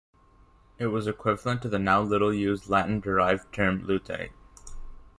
It was equivalent to the now little-used Latin-derived term lutite.